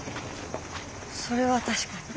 それは確かに。